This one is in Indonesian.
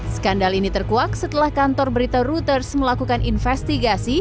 skandal ini terkuak setelah kantor berita reuters melakukan investigasi